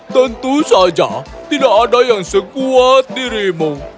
tentu saja tidak ada yang sekuat dirimu